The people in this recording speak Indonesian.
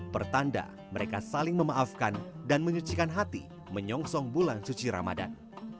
pertanda mereka saling memaafkan dan menyucikan hati menyongsong bulan suci ramadan